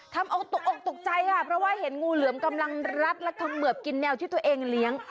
ทำเอาตกอกตกใจค่ะเพราะว่าเห็นงูเหลือมกำลังรัดและเขมือบกินแนวที่ตัวเองเลี้ยง